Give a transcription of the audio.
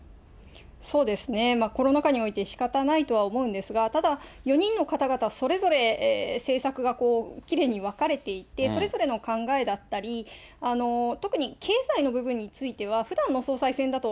そうですね、コロナ禍においてしかたないとは思うんですが、ただ、４人の方々、それぞれ政策がきれいに分かれていて、それぞれの考えだったり、特に経済の部分については、ふだんの総裁選だと、